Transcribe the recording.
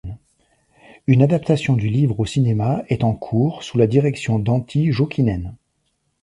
Une adaptation du livre au cinéma est en cours sous la direction d'Antti Jokinen.